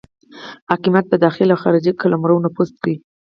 حاکمیت په داخلي او خارجي قلمرو نفوذ دی.